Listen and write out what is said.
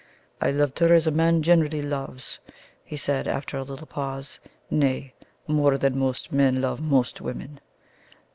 "I loved her as a man generally loves," he said, after a little pause. "Nay more than most men love most women!"